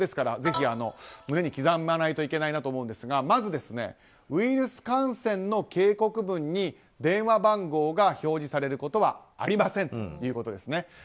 ぜひ胸に刻まないといけないなと思うんですがまず、ウイルス感染の警告文に電話番号が表示されることはありませんということですね。